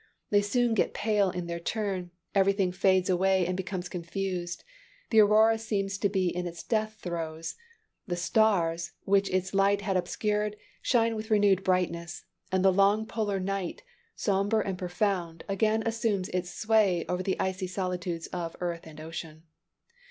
They soon get pale in their turn; everything fades away and becomes confused; the aurora seems to be in its death throes; the stars, which its light had obscured, shine with a renewed brightness; and the long polar night, sombre and profound, again assumes its sway over the icy solitudes of earth and ocean."